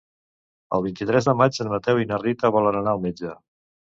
El vint-i-tres de maig en Mateu i na Rita volen anar al metge.